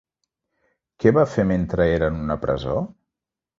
Què va fer mentre era en una presó?